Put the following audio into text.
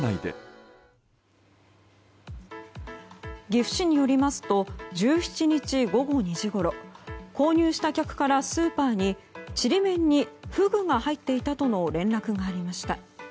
岐阜市によりますと１７日午後２時ごろ購入した客からスーパーにちりめんにフグが入っていたとの連絡がありました。